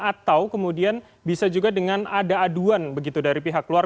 atau kemudian bisa juga dengan ada aduan begitu dari pihak luar